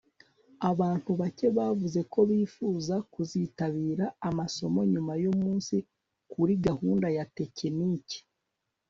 Abantu bake bavuze ko bifuza kuzitabira amasomo nyuma yumunsi kuri Gahunda ya Tekiniki